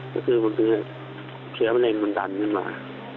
ก็คือเชื้อมะเร็งมันดันขึ้นมา